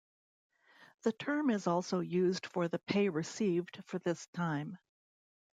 The term is also used for the pay received for this time.